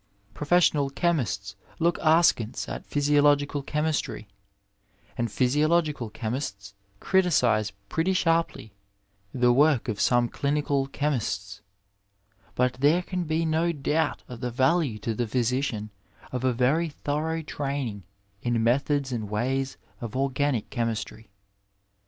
Professional chemists look askance at physiological chemistry, and physiological chemists criticize pretty sharply the work of some clinical chemists, but there can be no doubt of the value to the physician of a very thorough training in methods and ways of organic chemistry.